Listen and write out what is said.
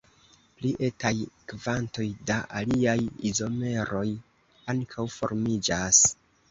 Pli etaj kvantoj da aliaj izomeroj ankaŭ formiĝas.